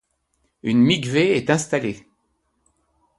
Une miqvé est installée.